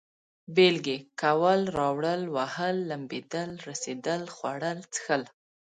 بېلگې: کول، راوړل، وهل، لمبېدل، رسېدل، خوړل، څښل